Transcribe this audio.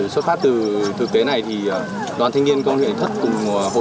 xuất phát từ thực tế này thì đoàn thanh niên công an huyện thất cùng mùa hồi